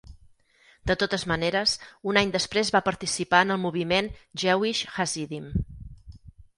De totes maneres, un any després va participar en el moviment Jewish Hasidim.